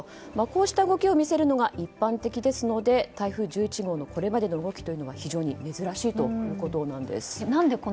こうした動きを見せるのが一般的ですので台風１１号のこれまでの動きというのは非常に珍しいということなんです。